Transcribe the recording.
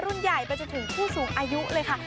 รุ่นใหญ่ไปจนถึงผู้สูงอายุเลยค่ะ